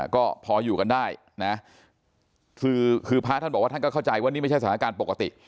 ก็พออยู่กันได้นะคือพระท่านบอกว่าท่านก็เข้าใจว่านี่ไม่ใช่สถานการณ์ปกติ